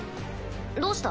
どうした？